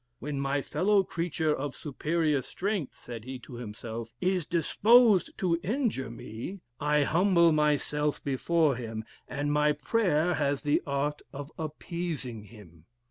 'When my fellow creature of superior strength,' said he to himself, 'is disposed to injure me, I humble myself before him, and my prayer has the art of appeasing him.